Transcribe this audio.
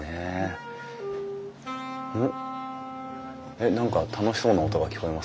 えっ何か楽しそうな音が聞こえますね。